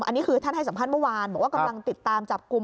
อันนี้คือท่านให้สัมภาษณ์เมื่อวานบอกว่ากำลังติดตามจับกลุ่ม